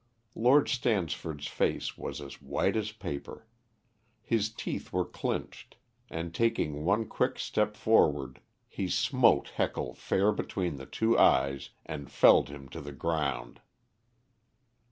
Lord Stansford's face was as white as paper. His teeth were clinched, and taking one quick step forward, he smote Heckle fair between the two eyes and felled him to the ground.